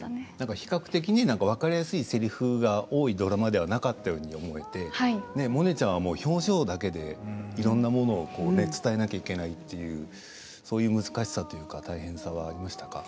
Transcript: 比較的分かりやすいせりふが多いドラマではなかったように思えてモネちゃんは表情だけでいろんなものを伝えなきゃいけないというそういう難しさというか大変さはありましたか？